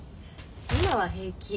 今は平気。